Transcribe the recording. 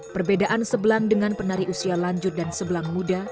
perbedaan sebelang dengan penari usia lanjut dan sebelang muda